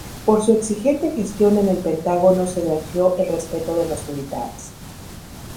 Por su exigente gestión en el Pentágono se granjeó el respeto de los militares.